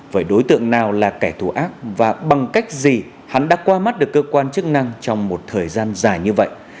vậy đối tượng nào là kẻ thù ác và bằng cách gì hắn đã qua mắt được cơ quan chức năng trong một thời gian dài như vậy